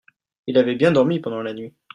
il avait bien dormi pendant la nuit.